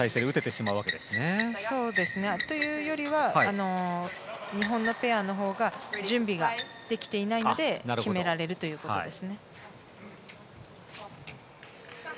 そうですね。というよりは、日本のペアが準備ができていないので決められるということです。